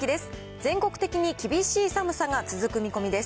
全国的に厳しい寒さが続く見込みです。